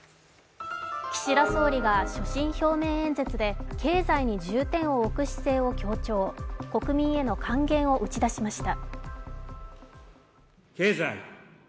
岸田総理が所信表明演説で経済に重点を置く姿勢を強調、国民への関係を打ち出しました。